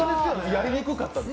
やりにくかった？